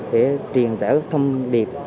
để truyền tả thông điệp